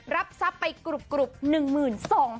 รับทรัพย์ไปกรุบ๑๒๐๐๐บาทก็ไม่น้อยนะ